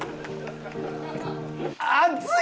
熱い！